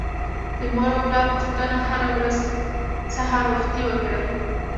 د مور او پلار پوښتنه هر ورځ سهار وختي وکړئ.